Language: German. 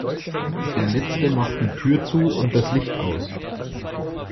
Der Letzte macht die Tür zu und das Licht aus.